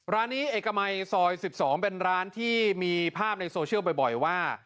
ร้านนี้เอกมัยซอย๑๒เป็นร้านที่มีภาพในโซเชียลบ่อยว่า